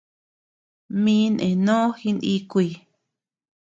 Mi ndenó jinikuy.